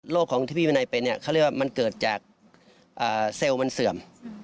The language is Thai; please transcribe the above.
ของที่พี่วินัยเป็นเนี่ยเขาเรียกว่ามันเกิดจากเซลล์มันเสื่อม